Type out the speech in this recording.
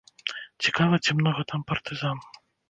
Цікава, ці многа там партызан?